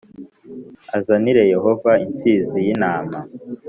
azanire Yehova imfizi y intama